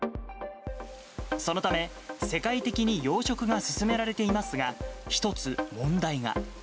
そのため、世界的に養殖が進められていますが、１つ問題が。